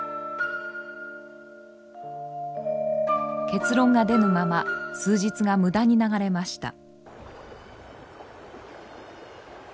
結論が出ぬまま数日が無駄に流れました。